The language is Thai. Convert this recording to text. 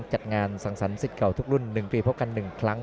จัดงานสังสรรคสิทธิ์เก่าทุกรุ่น๑ปีพบกัน๑ครั้ง